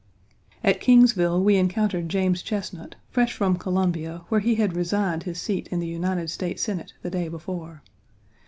At Kingsville we encountered James Chesnut, fresh from Columbia, where he had resigned his seat in the United States Senate the day before.